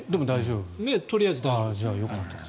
目はとりあえず大丈夫です。